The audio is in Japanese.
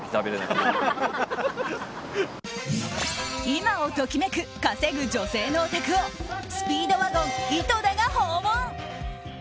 今を時めく稼ぐ女性のお宅をスピードワゴン井戸田が訪問。